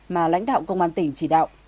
mà lãnh đạo công an tỉnh chỉ đạo